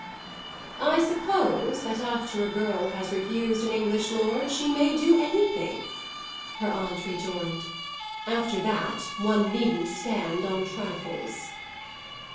"I suppose that after a girl has refused an English lord she may do anything," her aunt rejoined. "After that one needn't stand on trifles."